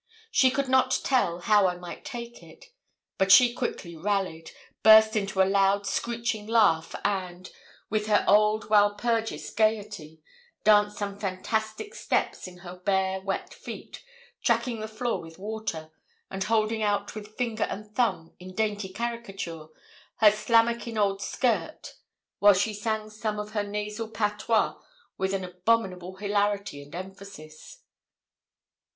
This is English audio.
She could not tell how I might take it; but she quickly rallied, burst into a loud screeching laugh, and, with her old Walpurgis gaiety, danced some fantastic steps in her bare wet feet, tracking the floor with water, and holding out with finger and thumb, in dainty caricature, her slammakin old skirt, while she sang some of her nasal patois with an abominable hilarity and emphasis.